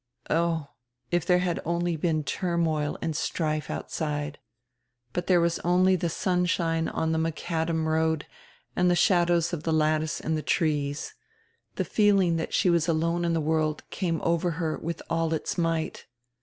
Oh, if diere had only been turmoil and strife outside! But diere was only die sunshine on die macadam road and die shadows of die lattice and die trees. The feeling that she was alone in the world came over her with all its might.